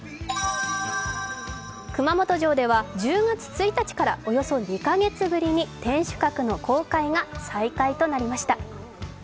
熊本城では１０月１日からおよそ２カ月ぶりに天守閣の公開が再開となりました。